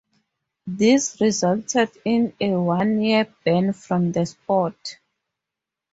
This resulted in a one-year ban from the sport.